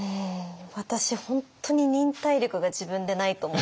私本当に忍耐力が自分でないと思っていて。